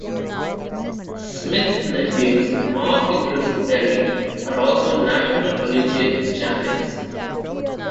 Smith's nephews Mark and Chris Perry are also national collegiate champions.